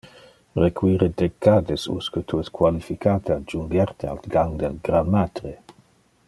Require decades usque tu es qualificate a junger te al gang del granmatre.